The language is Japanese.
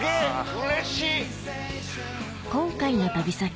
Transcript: うれしい！